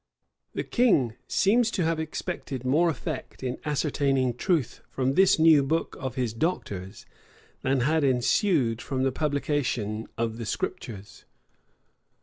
The king seems to have expected more effect in ascertaining truth from this new book of his doctors, than had ensued from the publication of the Scriptures.